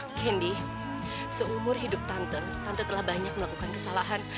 candy seumur hidup tante tante telah banyak melakukan kesalahan